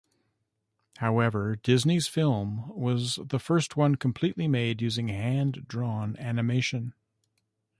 However, Disney's film was the first one completely made using hand-drawn animation.